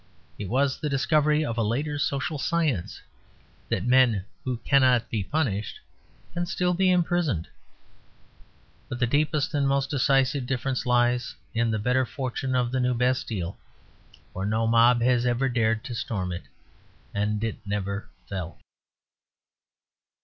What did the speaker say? It was the discovery of a later social science that men who cannot be punished can still be imprisoned. But the deepest and most decisive difference lies in the better fortune of the New Bastille; for no mob has ever dared to storm it, and it never fell.